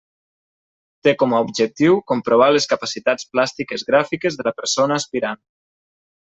Té com a objectiu comprovar les capacitats plàstiques gràfiques de la persona aspirant.